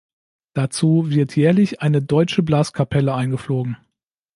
Dazu wird jährlich eine deutsche Blaskapelle eingeflogen.